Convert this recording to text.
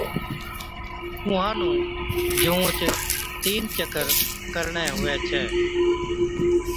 اُونھان نُون جُونھچ تين چڪر ڪرڻي ھُوي ڇَي